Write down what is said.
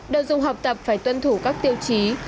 đồ dùng học tập phải tuân thủ các tiêu chí